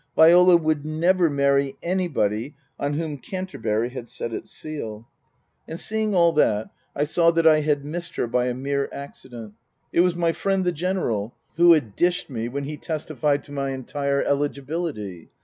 Viola would never marry anybody on whom Canterbury had set its seal. 4 50 Tasker Jevons And seeing all that, I saw that I had missed her by a mere accident. It was my friend the General who had dished me when he testified to my entire eligibility.